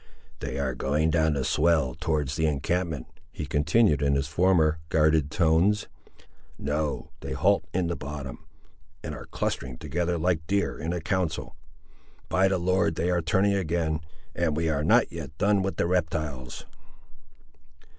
"They are going down the swell, towards the encampment," he continued, in his former guarded tones; "no, they halt in the bottom, and are clustering together like deer, in council. By the Lord, they are turning again, and we are not yet done with the reptiles!"